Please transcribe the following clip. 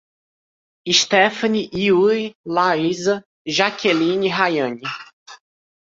Estefane, Iuri, Larisa, Jakeline e Raiane